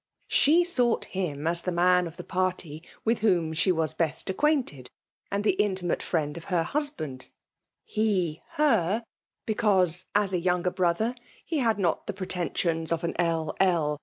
She sought him as the man of the party inih whom she was best acquainted, and the inti^ FBIIAL8 DCMlNATmi?. 27T tn^ter friend of her husband : he her, hecau^e, ds a younger brother^ he had not the preten sions of an L. L.